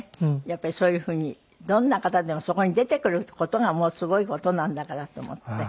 やっぱりそういうふうにどんな方でもそこに出てくる事がすごい事なんだからと思って。